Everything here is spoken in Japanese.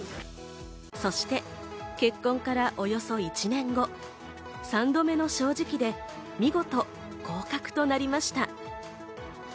そして結婚からおよそ１年後、３度目の正直で見事合格となりました。